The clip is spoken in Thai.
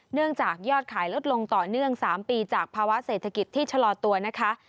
เนื่องจากยอดขายลดลงต่อเนื่อง๓ปีจากภาวะเศรษฐกิจที่ชะลอตัวนะคะ